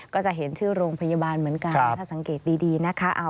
ก็จะเห็นชื่อโรงพยาบาลเหมือนกันถ้าสังเกตดีนะคะ